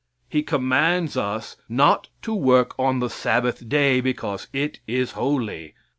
He commands us not to work on the Sabbath day, because it is holy.